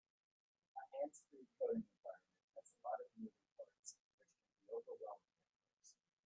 A hands-free coding environment has a lot of moving parts, which can be overwhelming at first.